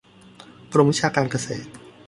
กรมวิชาการเกษตร